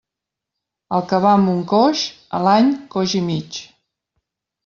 El que va amb un coix, a l'any coix i mig.